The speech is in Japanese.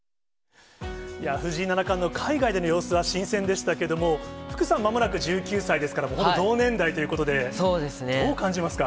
藤井七冠の海外での様子は新鮮でしたけども、福さん、まもなく１９歳ですから、もう本当に同年代ということで、どう感じますか？